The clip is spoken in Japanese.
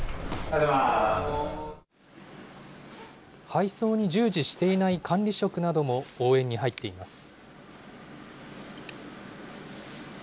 配送に従事していない管理職なども応援に入っています。